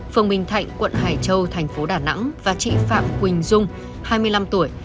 phường bình thạnh quận hải châu thành phố đà nẵng và chị phạm quỳnh dung hai mươi năm tuổi